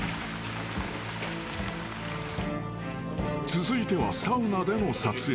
［続いてはサウナでの撮影］